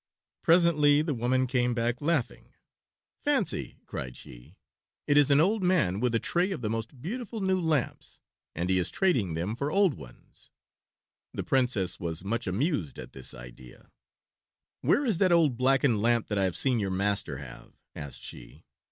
Presently the woman came back laughing. "Fancy!" cried she. "It is an old man with a tray of the most beautiful new lamps, and he is trading them for old ones." The Princess was much amused at this idea. "Where is that old blackened lamp that I have seen your master have?" asked she.